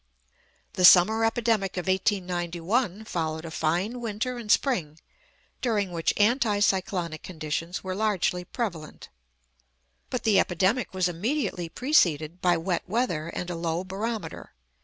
The summer epidemic of 1891 followed a fine winter and spring, during which anti cyclonic conditions were largely prevalent. But the epidemic was immediately preceded by wet weather and a low barometer.